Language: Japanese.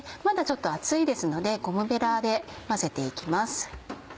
まだちょっと熱いですのでゴムベラで混ぜて行きます。